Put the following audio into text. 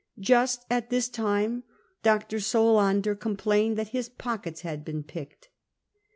Just at this time Dr. Solander complained that his pockets had been picked."